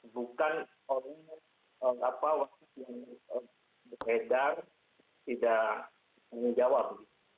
bukan oleh apa yang berbeda tidak menjawab